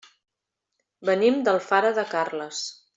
Venim d'Alfara de Carles.